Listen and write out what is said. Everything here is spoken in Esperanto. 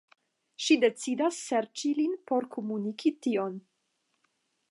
Ŝi decidas serĉi lin por komuniki tion.